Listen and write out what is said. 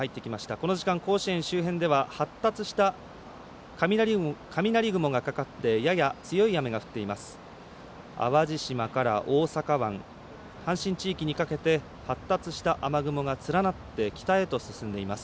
この時間、甲子園周辺では発達した雷雲がかかってやや強い雨が降っています。